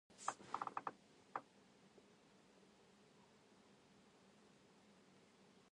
リーマンショックはやばかったね